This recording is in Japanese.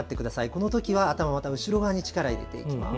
このときは頭の後ろ側に力を入れていきます。